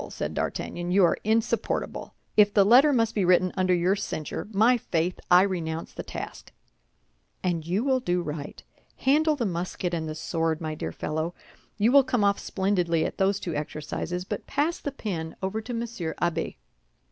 said D'Artagnan, "you are insupportable. If the letter must be written under your censure, my faith, I renounce the task." "And you will do right. Handle the musket and the sword, my dear fellow. You will come off splendidly at those two exercises; but pass the pen over to Monsieur Abbé.